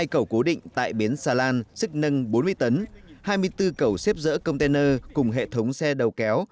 hai cầu cố định tại bến salan sức nâng bốn mươi tấn hai mươi bốn cầu xếp rỡ container cùng hệ thống xe đầu kéo